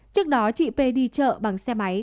trước đó chị p đi chợ bằng xe máy